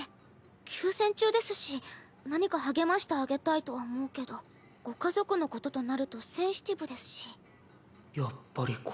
休戦中ですし何か励ましてあげたいとは思うけどご家族のこととなるとセンシティブですし。